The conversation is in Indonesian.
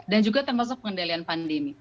dan juga termasuk pengendalian pandemi